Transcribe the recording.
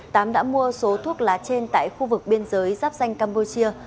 tám đã mua số thuốc lá trên tại khu vực biên giới giáp danh campuchia